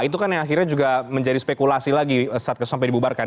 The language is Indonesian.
itu kan yang akhirnya juga menjadi spekulasi lagi saat sampai dibubarkan